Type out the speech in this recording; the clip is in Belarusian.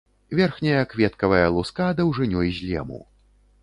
Верхняя кветкавая луска даўжынёй з лему.